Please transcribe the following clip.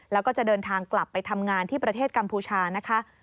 แล้วก็จะเดินทางกลับไปทำงานที่ประเทศกัมพูชานะคะ